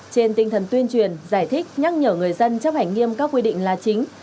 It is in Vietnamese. trên tinh thần tuyên truyền giải thích nhắc nhở người dân chấp hành nghiêm các quy định là chính